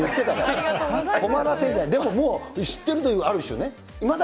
でももう、知ってるという、ある種ね。